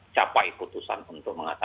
capai keputusan untuk mengatakan